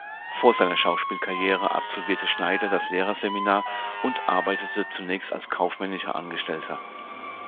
Vor seiner Schauspielkarriere absolvierte Schneider das Lehrerseminar und arbeitete zunächst als kaufmännischer Angestellter.